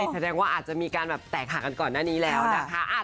แสดงว่าอาจจะมีการแบบแตกหากันก่อนหน้านี้แล้วนะคะ